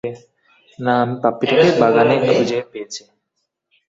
না, আমি পাপ্পিটাকে বাগানে খুঁজে পেয়েছি।